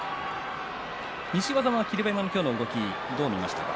西岩さんは霧馬山の今日の動きどう見ましたか。